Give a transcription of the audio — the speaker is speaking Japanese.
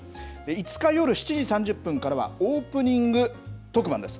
５日夜７時３０分からは、オープニング特番です。